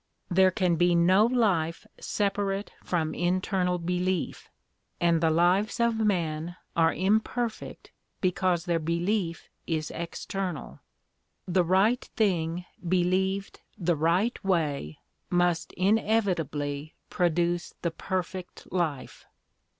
There can be no life separate from internal belief, and the lives of men are imperfect because their belief is external. The right thing believed the right way must inevitably produce the perfect life.